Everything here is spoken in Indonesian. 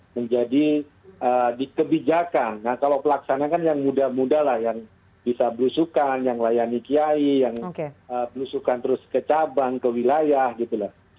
menjadi di kebijakan nah kalau pelaksana kan yang muda muda lah yang bisa berusukan yang layani kiai yang berusukan terus ke cabang ke wilayah gitu loh